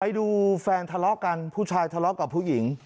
ไปดูแฟนทะเลาะกันผู้ชายทะเลาะกับผู้หญิง